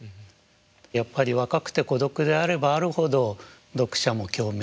やっぱり若くて孤独であればあるほど読者も共鳴してしまう。